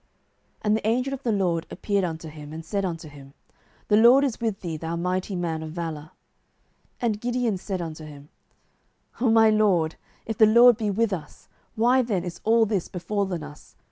07:006:012 And the angel of the LORD appeared unto him, and said unto him, The LORD is with thee, thou mighty man of valour. 07:006:013 And Gideon said unto him, Oh my Lord, if the LORD be with us, why then is all this befallen us?